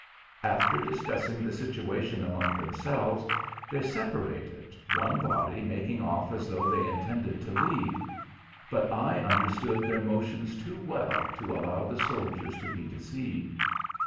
After discussing the situation among themselves, they separated, one body making off as though they intended to leave; but I understood their motions too well to allow the soldiers to be deceived.